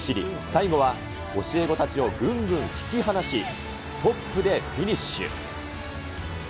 最後は教え子たちをぐんぐん引き離し、トップでフィニッシュ。